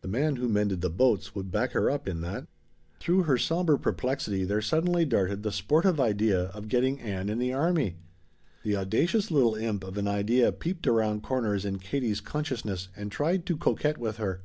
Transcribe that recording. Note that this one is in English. The man who mended the boats would back her up in that! Through her somber perplexity there suddenly darted the sportive idea of getting Ann in the army! The audacious little imp of an idea peeped around corners in Katie's consciousness and tried to coquet with her.